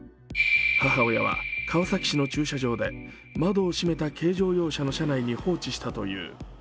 母親は、川崎市の駐車場で窓を閉めた軽乗用車の車内で放置したという。